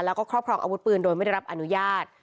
แล้วก็ครอบครองอาวุธปืนโดยไม่ได้รับอนุญาต